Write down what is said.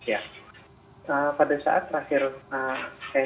ya pada saat terakhir saya